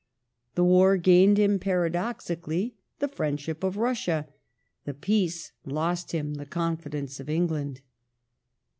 The war gained him, paradoxically, the friendship of Russia : the peace lost him the confidence of England.